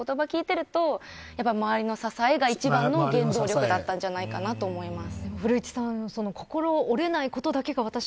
さっきのＶＴＲの言葉を聞いていると周りの支えが一番の原動力だったんじゃないかと思います。